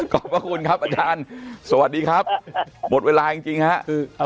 ขอบพระคุณครับอาจารย์สวัสดีครับหมดเวลาจริงฮะคือ